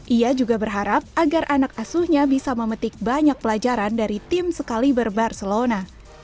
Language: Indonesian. ia juga berharap agar anak asuhnya bisa memetik banyak pelajaran dari tim sekaliber barcelona